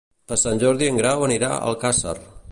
Per Sant Jordi en Grau anirà a Alcàsser.